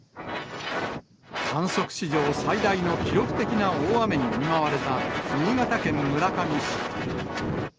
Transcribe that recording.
観測史上最大の記録的な大雨に見舞われた新潟県村上市。